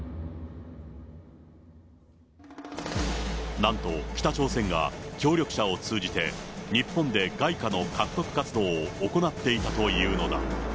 なんと北朝鮮が協力者を通じて日本で外貨の獲得活動を行っていたというのだ。